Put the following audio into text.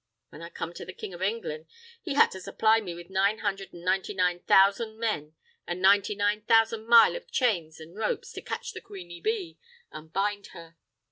When I come to the King of Englan' he had to supply me with nine hundred and ninety nine thousand men an' ninety nine thousand mile of chains an' ropes to catch the queeny bee an' bind her.